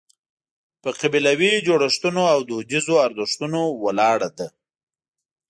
په قبیلوي جوړښتونو او دودیزو ارزښتونو ولاړه ده.